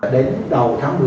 đến đầu tháng một mươi hai